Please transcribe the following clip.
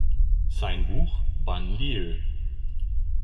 Sein Buch "Banlieue.